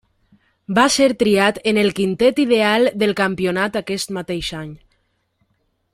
Va ser triat en el quintet ideal del campionat aquest mateix any.